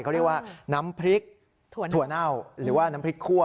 เขาเรียกว่าน้ำพริกถั่วเน่าหรือว่าน้ำพริกคั่ว